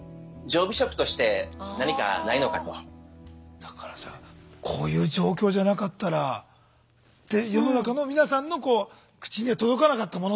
だからさこういう状況じゃなかったら世の中の皆さんの口には届かなかったものってことですよね。